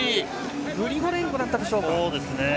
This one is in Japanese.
グリゴレンコだったでしょうか。